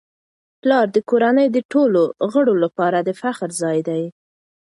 پلار د کورنی د ټولو غړو لپاره د فخر ځای دی.